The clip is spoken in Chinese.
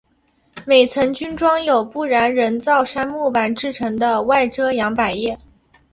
每层均装有不燃人造杉木板制成的外遮阳百叶。